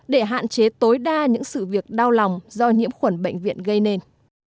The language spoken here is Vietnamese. để hạn chế tối đa những sự việc đau lòng do nhiễm khuẩn bệnh viện gây nên